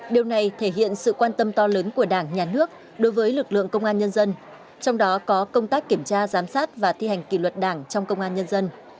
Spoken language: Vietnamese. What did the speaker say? điều này thể hiện sự quan tâm to lớn của đảng nhà nước đối với lực lượng công an nhân dân trong đó có công tác kiểm tra giám sát và thi hành kỷ luật đảng trong công an nhân dân